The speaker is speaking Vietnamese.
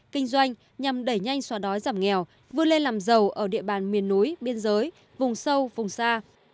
kinh doanh nhằm đẩy nhanh xóa đói giảm nghèo vươn lên làm giàu ở địa bàn miền núi biên giới vùng sâu vùng xa